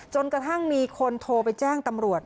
จนกระทั่งมีคนโทรไปแจ้งตำรวจ